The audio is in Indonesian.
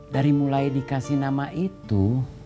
dari mulai dikasih nama itu